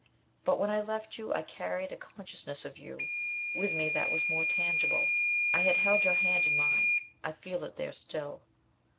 But when I left you, I carried a consciousness of you with me that was more tangible. I had held your hand in mine. I feel it there still.